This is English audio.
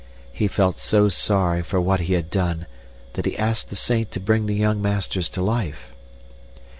He felt so sorry for what he had done that he asked the saint to bring the young masters to life."